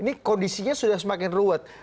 ini kondisinya sudah semakin ruwet